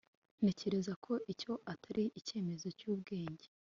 Ntekereza ko icyo atari icyemezo cyubwenge